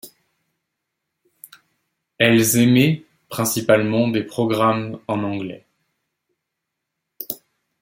Elles émet principalement des programmes en anglais.